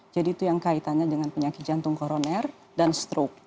jadi itu yang kaitannya dengan penyakit jantung koroner dan stroke